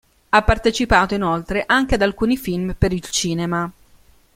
Ha partecipato inoltre anche ad alcuni film per il cinema.